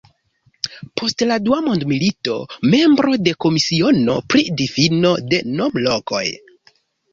Post la dua mondmilito membro de Komisiono pri Difino de Nom-Lokoj.